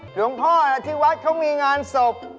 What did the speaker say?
หลวงพ่อที่วัดเขามีงานศพ